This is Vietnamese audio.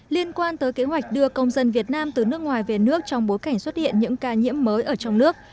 liên quan tới kế hoạch đưa công dân việt nam từ nước ngoài về nước trong bối cảnh xuất hiện những ca nhiễm mới ở trong nước